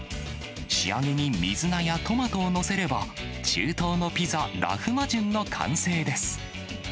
仕上げに水菜やトマトを載せれば、中東のピザ、ラフマジュンの完成です。